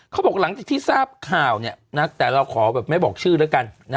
เขาบอกหลังจากที่ทราบข่าวแต่เราขอแบบไม่บอกชื่อแล้วกัน